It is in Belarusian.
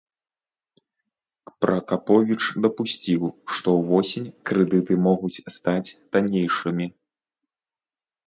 Пракаповіч дапусціў, што ўвосень крэдыты могуць стаць таннейшымі.